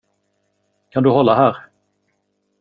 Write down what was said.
Kan du hålla här?